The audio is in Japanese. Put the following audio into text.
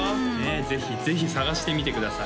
ぜひぜひ捜してみてください